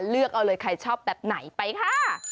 เลือกเอาเลยใครชอบแบบไหนไปค่ะ